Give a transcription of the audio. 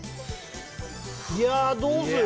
いやーどうする？